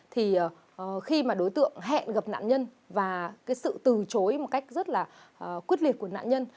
thì khi mà đối tượng hẹn gặp nạn nhân và cái sự từ chối một cách rất là quyết liệt của nạn nhân